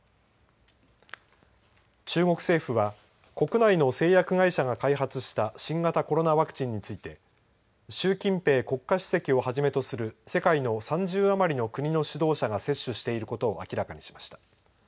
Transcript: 中国政府は国内の製薬会社が開発した新型コロナワクチンについて習近平国家主席をはじめとする世界の３０余りの国の指導者が接種していることを明らかにしました。